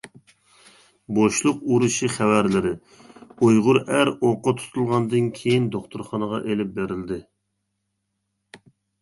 بوشلۇق ئۇرۇشى خەۋەرلىرى: ئۇيغۇر ئەر ئوققا تۇتۇلغاندىن كېيىن، دوختۇرخانىغا ئېلىپ بېرىلدى.